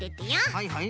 はいはい。